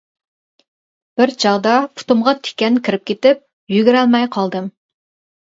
بىر چاغدا پۇتۇمغا تىكەن كىرىپ كېتىپ يۈگۈرەلمەي قالدىم.